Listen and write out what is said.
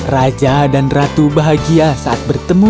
raja dan ratu bahagia saat bertemu